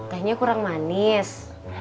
teenya kurang manis